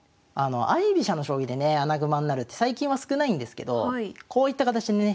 相居飛車の将棋でね穴熊になるって最近は少ないんですけどこういった形でね